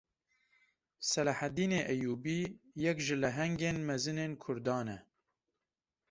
Seleheddînê Eyyûbî, yek ji lehengên mezinên Kurdan e